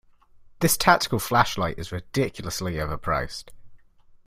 This tactical flashlight is ridiculously overpriced.